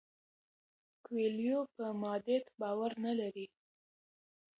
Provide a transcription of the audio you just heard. کویلیو په مادیت باور نه لري.